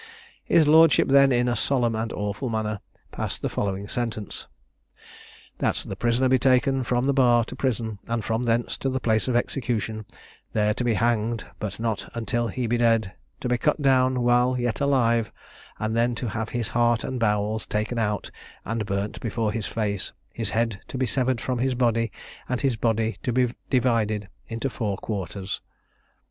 His lordship then, in a solemn and awful manner, passed the following sentence: "That the prisoner be taken from the bar to prison, and from thence to the place of execution; there to be hanged, but not until he be dead, to be cut down while yet alive, and then to have his heart and bowels taken out and burnt before his face; his head to be severed from his body, and his body to be divided into four quarters."